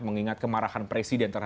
akan diperlukan oleh pemerintah